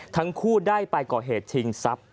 ทั้งคู่ได้ไปก่อเหตุชิงทรัพย์